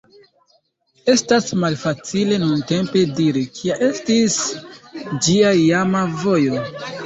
Estas malfacile nuntempe diri, kia estis ĝia iama vojo.